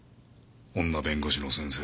女弁護士の先生。